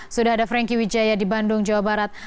sudah ada franky wijaya di bandung jawa barat